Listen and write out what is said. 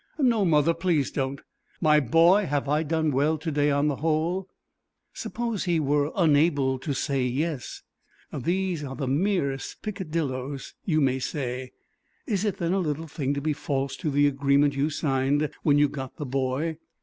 "No, mother, please don't." "My boy, have I done well to day on the whole?" Suppose he were unable to say yes. These are the merest peccadilloes, you may say. Is it then a little thing to be false to the agreement you signed when you got the boy?